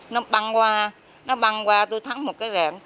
nó băng qua nó băng qua tôi thắng một cái rẹm